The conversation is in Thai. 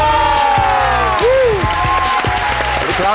สวัสดีครับ